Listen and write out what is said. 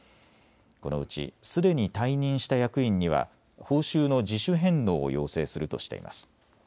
このうちすでに退任した役員には報酬の自主返納を要請するとしています。